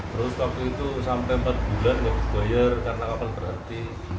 terus waktu itu sampai empat bulan nggak dibayar karena kapal berhenti